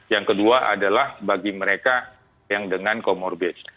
yang kedua adalah bagi mereka yang dengan comorbid